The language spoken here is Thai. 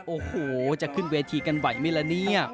โอ้โหจะขึ้นเวทีกันไหวไหมล่ะเนี่ย